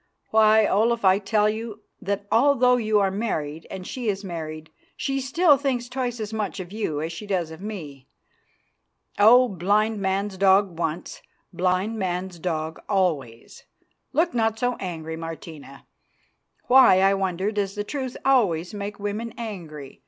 Why, Olaf, I tell you that, although you are married and she is married, she still thinks twice as much of you as she does of me. Oh! blind man's dog once, blind man's dog always! Look not so angry, Martina. Why, I wonder, does the truth always make women angry?"